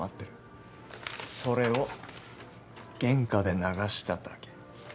それを原価で流しただけ。